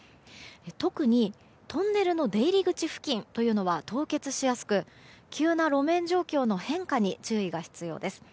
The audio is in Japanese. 特にトンネルの出入り口付近というのは凍結しやすく急な路面状況の変化に注意が必要です。